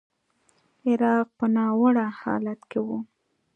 عراق په ناوړه حالت کې و.